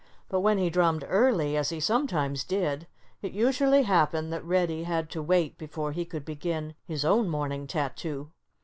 But when he drummed early, as he sometimes did, it usually happened that Reddy had to wait before he could begin his own morning tattoo.